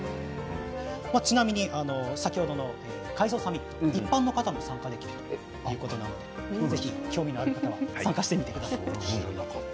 ちなみに先ほどの海藻サミット一般の方も参加できるということなのでぜひ興味がある方は知らなかった。